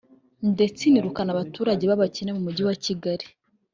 ndetse inirukana abaturage b’abakene mu mujyi wa Kigali